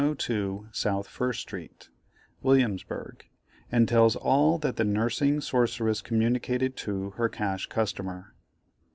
102 South First Street, Williamsburgh, and tells all that Nursing Sorceress communicated to her Cash Customer.